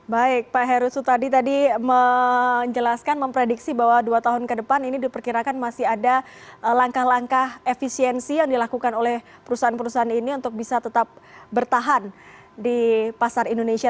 baik pak heru sutadi tadi menjelaskan memprediksi bahwa dua tahun ke depan ini diperkirakan masih ada langkah langkah efisiensi yang dilakukan oleh perusahaan perusahaan ini untuk bisa tetap bertahan di pasar indonesia